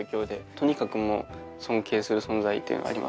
とにかく尊敬する存在というのはあります。